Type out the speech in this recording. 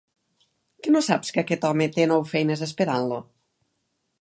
Que no saps que aquest home té nou feines esperant-lo?